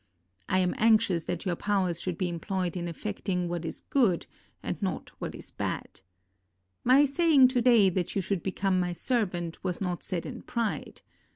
I am anxious that your powers should be employed in effect 339 JAPAN ing what is good and not what is bad. My saying to day that you should become my servant was not said in pride.